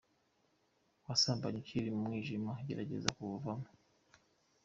Wasambanye ukiri mu mwijima, gerageza kuwuvamo.